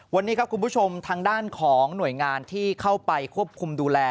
วันนี้ครับคุณผู้ชมทางด้านของหน่วยงานที่เข้าไปควบคุมดูแล